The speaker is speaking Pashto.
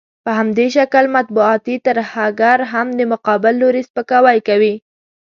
په همدې شکل مطبوعاتي ترهګر هم د مقابل لوري سپکاوی کوي.